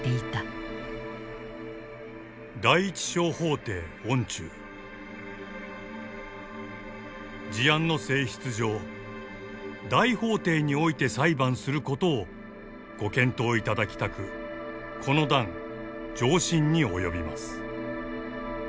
「第一小法廷御中事案の性質上大法廷において裁判することを御検討いただきたくこの段上申に及びます」。